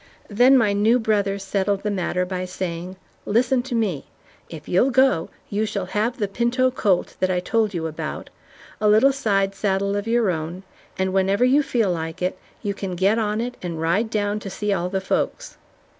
Then my new brother settled the matter by saying: "Listen to me. If you'll go, you shall have the pinto colt that I told you about, a little side saddle of your own, and whenever you feel like it, you can get on it and ride down to see all the folks."